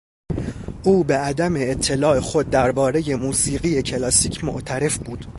او به عدم اطلاع خود دربارهی موسیقی کلاسیک معترف بود.